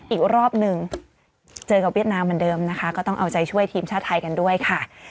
อีกรอบหนึ่งเจอกับเวียดนามเหมือนเดิมนะคะก็ต้องเอาใจช่วยทีมชาติไทยกันด้วยค่ะ